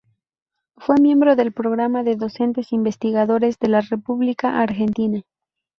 Fue miembro del Programa de Docentes Investigadores de la República Argentina.